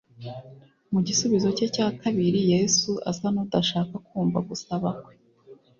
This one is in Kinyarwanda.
Mu gisubizo cye cya kabiri Yesu asa n'udashaka kumva gusaba kwe.